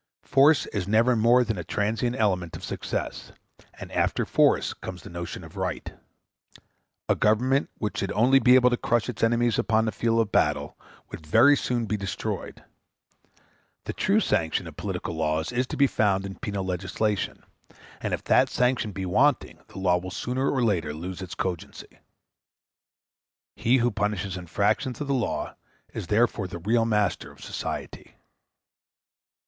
Force is never more than a transient element of success; and after force comes the notion of right. A government which should only be able to crush its enemies upon a field of battle would very soon be destroyed. The true sanction of political laws is to be found in penal legislation, and if that sanction be wanting the law will sooner or later lose its cogency. He who punishes infractions of the law is therefore the real master of society.